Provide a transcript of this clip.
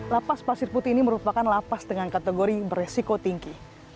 lapas pasir putih ini merupakan lapas dengan kategori beresiko tinggi